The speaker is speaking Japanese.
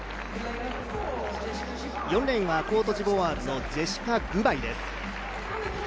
４レーンはコートジボワールのジェシカ・グバイです。